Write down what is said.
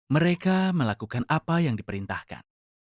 mereka melakukan apa yang diperintahkan